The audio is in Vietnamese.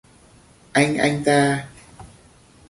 Anh anh ta